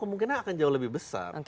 kamu mungkin akan jauh lebih besar